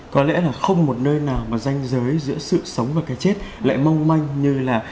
có lẽ là không một nơi nào mà danh giới giữa sự sống và cái chết lại mong manh như là